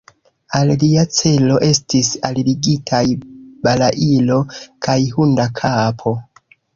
Al lia selo estis alligitaj balailo kaj hunda kapo.